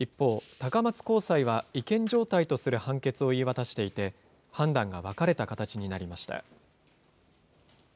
一方、高松高裁は違憲状態とする判決を言い渡していて、判断が分かれた形になりました。